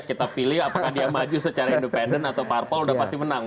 kita pilih apakah dia maju secara independen atau parpol udah pasti menang